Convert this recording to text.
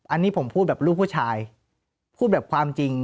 อันนี้ผมพูดแบบลูกผู้ชายพูดแบบความจริง